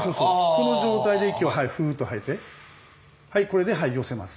この状態で息をふっと吐いてこれで寄せます。